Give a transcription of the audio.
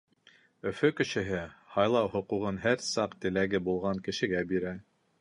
Өфө кешеһе һайлау хоҡуғын һәр саҡ теләге булған кешегә бирә.